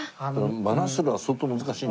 マナスルは相当難しいんですか？